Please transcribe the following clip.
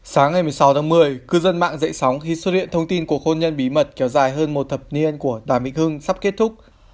sáng ngày một mươi sáu tháng một mươi cư dân mạng dậy sóng khi xuất hiện thông tin của hôn nhân bí mật kéo dài hơn một thập niên của đàm hưng sắp kết thúc